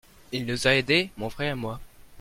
Il nous a aidé mon frère et moi.